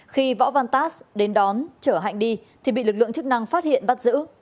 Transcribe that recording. khi võ văn tás đến đón chở hạnh đi thì bị lực lượng chức năng phát hiện bắt giữ